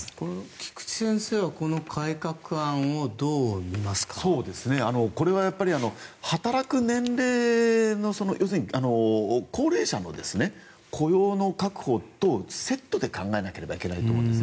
菊地先生はこの改革案をこれは働く年齢の要するに高齢者の雇用の確保とセットで考えなければいけないと思います。